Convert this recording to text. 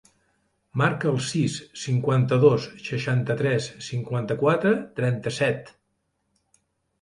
Marca el sis, cinquanta-dos, seixanta-tres, cinquanta-quatre, trenta-set.